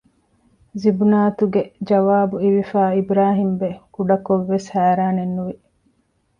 ޒިބްނާތުގެ ޖަވާބު އިވިފައި އިބްރާހީމްބެ ކުޑަކޮށްވެސް ހައިރާނެއްނުވެ